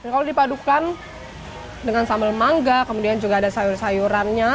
kalau dipadukan dengan sambal mangga kemudian juga ada sayur sayurannya